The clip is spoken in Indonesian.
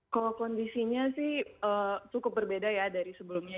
kalau kondisinya sih cukup berbeda ya dari sebelumnya